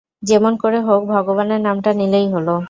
যেমন করে হোক ভগবানের নামটা নিলেই হল।